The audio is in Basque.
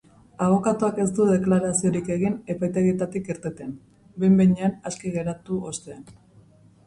Abokatuak ez du deklaraziorik egin epaitegietatik irtetean, behin-behinean aske geratu ostean.